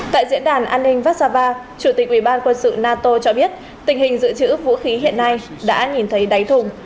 tại diễn đàn an ninh vassava chủ tịch ubnd nato cho biết tình hình dự trữ vũ khí hiện nay đã nhìn thấy đáy thùng